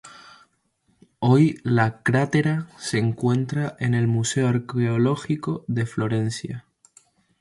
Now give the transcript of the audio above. Hoy la crátera se encuentra en el Museo Arqueológico de Florencia.